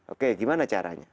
oke gimana caranya